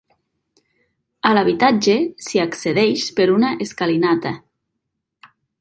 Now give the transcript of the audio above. A l'habitatge s'hi accedeix per una escalinata.